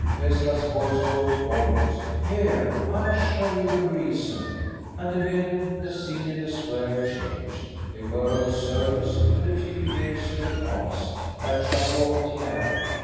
Phaestra's voice spoke volumes. "Here I'll show you the reason." And again the scene in the sphere changed. They were on the surface and a few years in the past at Chateau Thierry.